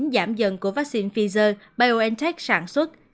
giảm dần của vaccine pfizer biontech sản xuất